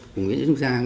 của người giang